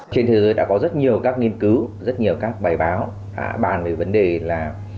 trên thế giới đã có rất nhiều các nghiên cứu rất nhiều các bài báo bàn về vấn đề là